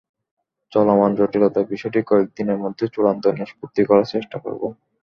চলমান জটিলতার বিষয়টি কয়েক দিনের মধ্যে চূড়ান্ত নিষ্পত্তি করার চেষ্টা করব।